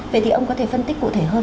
vậy thì ông có thể phân tích cụ thể hơn